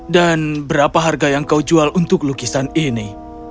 dan berapa harga yang kau jual untuk lukisan ini